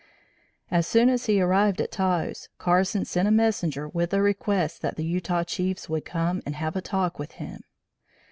As soon as he arrived at Taos, Carson sent a messenger with a request that the Utah chiefs would come and have a talk with him.